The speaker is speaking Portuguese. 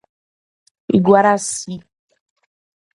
Iguaracy